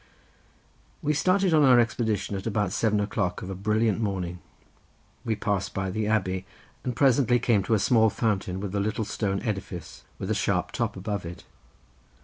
We started on our expedition at about seven o'clock of a brilliant morning. We passed by the abbey and presently came to a small fountain with a little stone edifice, with a sharp top above it.